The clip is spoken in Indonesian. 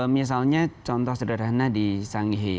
misalnya contoh sederhana di sangihe